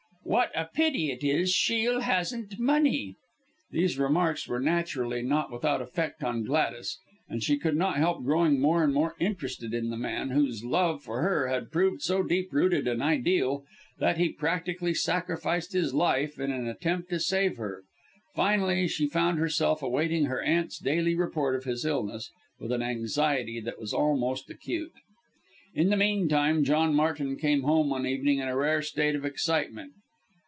What a pity it is Shiel hasn't money." These remarks were naturally not without effect on Gladys, and she could not help growing more and more interested in the man, whose love for her had proved so deep rooted and ideal, that he had practically sacrificed his life, in an attempt to serve her. Finally, she found herself awaiting her aunt's daily report of his illness with an anxiety that was almost acute. In the meanwhile, John Martin came home one evening in a rare state of excitement.